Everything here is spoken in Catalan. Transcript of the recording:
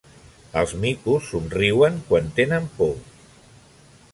Els micos somriuen quan tenen por.